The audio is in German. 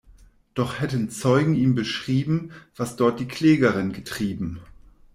Doch hätten Zeugen ihm beschrieben, was dort die Klägerin getrieben.